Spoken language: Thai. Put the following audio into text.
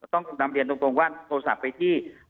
ต้องนำเรียนตรงว่าโทรศัพท์ไปที่